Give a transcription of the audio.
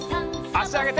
あしあげて。